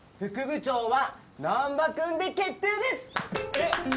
えっ！